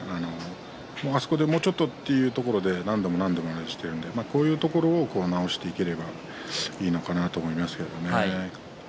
あそこでもう少しというところで何度も何度もあるのでこういうところを直していけばいいのかなと思いますけどね。